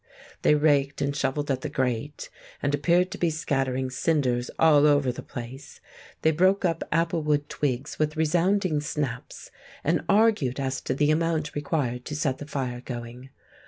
They raked and shovelled at the grate, and appeared to be scattering cinders all over the place. They broke up applewood twigs with resounding snaps, and argued as to the amount required to set the fire going.